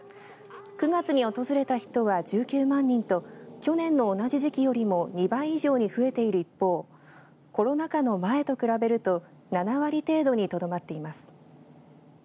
９月に訪れた人は１９万人と去年の同じ時期よりも２倍以上に増えている一方コロナ禍の前と比べると７割程度にとどまっています。